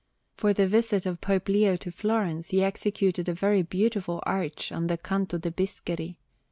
For the visit of Pope Leo to Florence he executed a very beautiful arch on the Canto de' Bischeri.